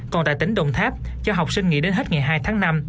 còn tại tỉnh đồng tháp cho học sinh nghỉ đến hết ngày hai tháng năm